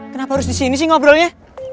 kenapa harus disini sih ngobrolnya